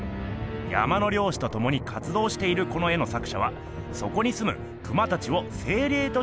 山のりょうしとともにかつどうしているこの絵の作しゃはそこにすむクマたちをせいれいとして描いてるんですよ。